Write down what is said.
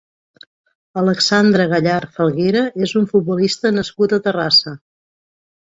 Alexandre Gallar Falguera és un futbolista nascut a Terrassa.